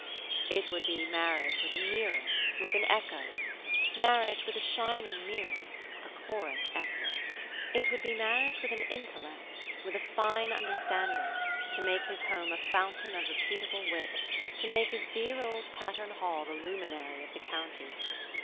It would be marriage with a mirror, with an echo; marriage with a shining mirror, a choric echo. It would be marriage with an intellect, with a fine understanding; to make his home a fountain of repeatable wit: to make his dear old Patterne Hall the luminary of the county.